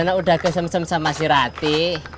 anak udah kesem sem sama si rati